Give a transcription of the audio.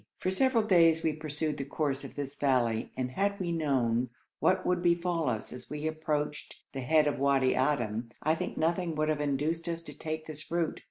For several days we pursued the course of this valley, and had we known what would befall us as we approached the head of the Wadi Adim, I think nothing would have induced us to take this route.